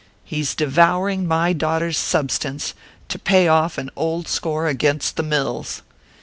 He's devouring my daughter's substance to pay off an old score against the mills.